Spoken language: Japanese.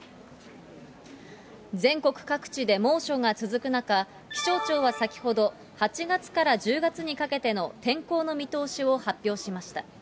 全国各地で猛暑が続く中、気象庁は先ほど、８月から１０月にかけての天候の見通しを発表しました。